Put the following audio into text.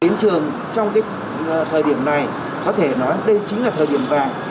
đến trường trong thời điểm này có thể nói đây chính là thời điểm vàng